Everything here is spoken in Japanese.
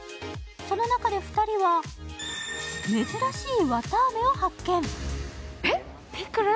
その中で２人は、珍しい綿あめを発見。